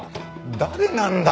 誰なんだ？